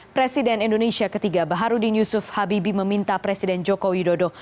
presiden indonesia ketiga baharudin yusuf habibi meminta presiden joko widodo